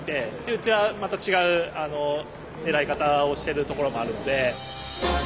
うちはまた違う狙い方をしてるところもあるので。